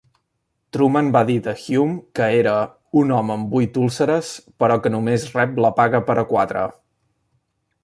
Truman va dir de Hume que era "un home amb vuit úlceres però que només rep la paga per a quatre".